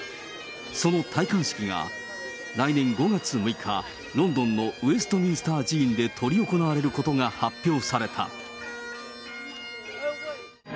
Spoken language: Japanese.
その戴冠式が来年５月６日、ロンドンのウェストミンスター寺院で執り行われることが発表された。